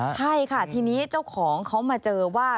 ใช่ค่ะทีนี้เจ้าของเขามาเจอว่า